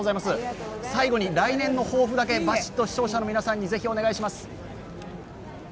最後に来年の抱負だけ、ばしっと、視聴者の皆さんにお願いします。